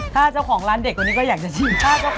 ถ้าเจ้าของร้านเด็กคนนี้ก็อยากจะชิมชาติ